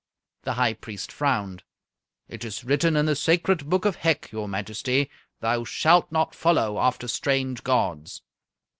The High Priest frowned. "It is written in the sacred book of Hec, your Majesty, 'Thou shalt not follow after strange gods'."